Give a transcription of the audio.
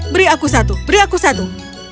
beri aku satu beri aku satu